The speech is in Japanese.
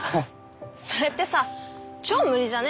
それってさ超無理じゃね？